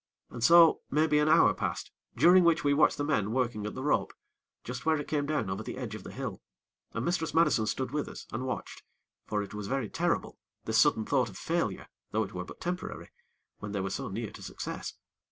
And so, maybe an hour passed, during which we watched the men working at the rope, just where it came down over the edge of the hill, and Mistress Madison stood with us and watched; for it was very terrible, this sudden thought of failure (though it were but temporary) when they were so near to success.